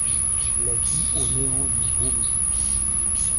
La vie au néant nous vomit.